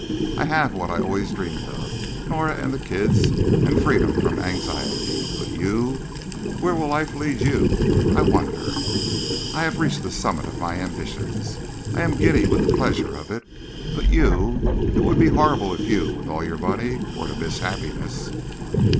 I have what I always dreamed of Nora and the kids and freedom from anxiety. But you where will life lead you, I wonder? I have reached the summit of my ambitions. I'm giddy with the pleasure of it. But you it would be horrible if you, with all your money, were to miss happiness."